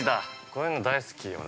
こういうの大好き、俺。